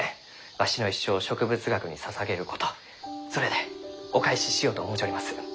わしの一生を植物学にささげることそれでお返ししようと思うちょります。